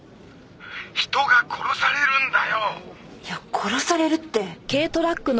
「人が殺されるんだよ！」いや殺されるって。